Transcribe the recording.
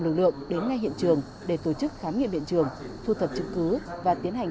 lực lượng đến ngay hiện trường để tổ chức khám nghiệm hiện trường thu thập chứng cứ và tiến hành